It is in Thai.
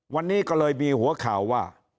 วันนี้ก็เลยมีหัวข่าวว่า